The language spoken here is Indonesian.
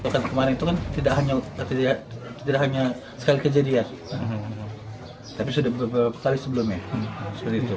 kemarin itu kan tidak hanya sekali kejadian tapi sudah beberapa kali sebelumnya seperti itu